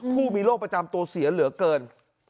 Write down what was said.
ผู้มีโรคประจำตัวเสียเหลือเกิน